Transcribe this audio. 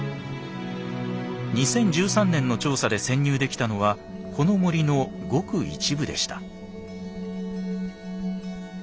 ２０１３年の調査で潜入できたのはこの森のごく一部でした。